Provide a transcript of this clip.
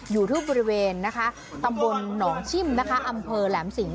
อยู่ที่บริเวณนะคะตำบลหนองชิมนะคะอำเภอแหลมสิง